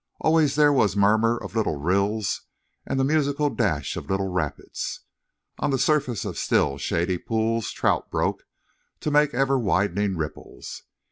Always there was murmur of little rills and the musical dash of little rapids. On the surface of still, shady pools trout broke to make ever widening ripples.